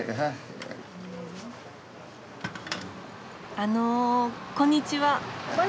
あのこんにちは。